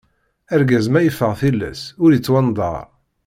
Argaz ma iffeɣ tilas, ur ittwandaṛ.